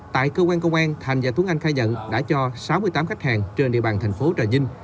tại cơ quan công an thành và tuấn anh khai nhận đã cho sáu mươi tám khách hàng trên địa bàn thành phố trà vinh